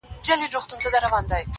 زه ، ته او سپوږمۍ.